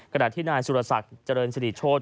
กระดาษที่นายสุรสัตว์เจริญศรีโทษ